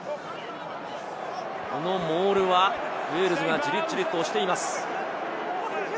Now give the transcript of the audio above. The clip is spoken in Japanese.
このモールはウェールズがじりじりと押しています。